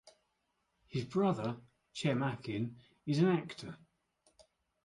His brother, Cem Akin is an actor.